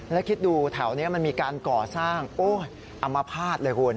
แล้วคิดดูแถวนี้มันมีการก่อสร้างโอ้ยอัมพาตเลยคุณ